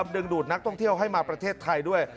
ดึงดูดนักท่องเที่ยวให้มาประเทศไทยด้วย